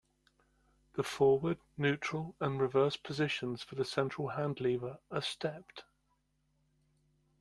The forward, neutral and reverse positions for the central hand lever are stepped.